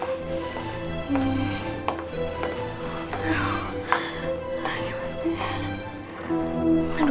akhirnya aku dindik selalu